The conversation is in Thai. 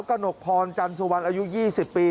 สอบถามนางสาวกนกพลจันทรวรรณอายุ๒๐ปี